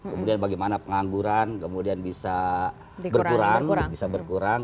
kemudian bagaimana pengangguran kemudian bisa berkurang